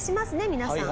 皆さん。